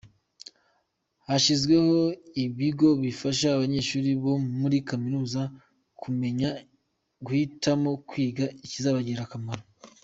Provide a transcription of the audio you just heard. Hashyizweho ibigo bifasha abanyeshuri bo muri kaminuza kumenya guhitamo kwiga ikizabagirira akamaro.